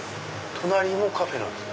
隣もカフェなんですか？